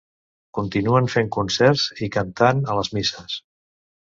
Continuen fent concerts i cantant a les misses.